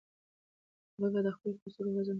هغوی باید د خپلو کڅوړو وزن په خپله پورته کړي.